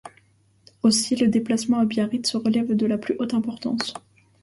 Aussi, le déplacement à Biarritz relève de la plus haute importance.